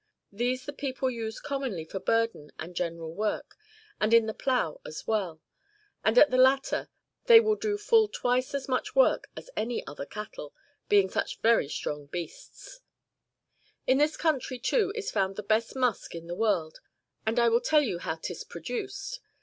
] These the people use commonly for burden and general work, and in the plough as well ; and at the latter they will do full twice as much work as any other cattle, being such very strong beasts,^ In this country too is found the best musk in the world ; and I will tell you how 'tis produced.